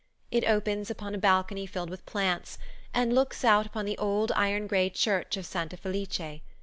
It opens upon a balcony filled with plants, and looks out upon the old iron gray church of Santa Felice.